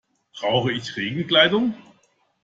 Brauche ich Regenkleidung?